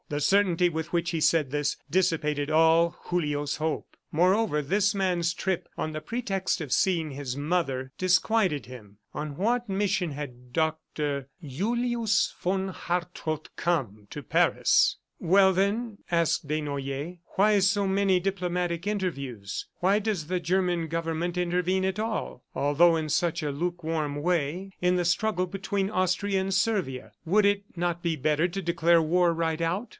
The certainty with which he said this dissipated all Julio's hope. Moreover, this man's trip, on the pretext of seeing his mother, disquieted him. ... On what mission had Doctor Julius von Hartrott come to Paris? ... "Well, then," asked Desnoyers, "why so many diplomatic interviews? Why does the German government intervene at all although in such a lukewarm way in the struggle between Austria and Servia. ... Would it not be better to declare war right out?"